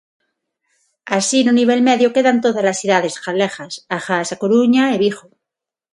Así no nivel medio quedan todas as cidades galegas, agás A Coruña e Vigo.